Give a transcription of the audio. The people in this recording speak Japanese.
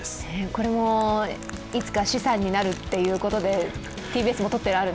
これもいつか資産になるということで、ＴＢＳも取ってある？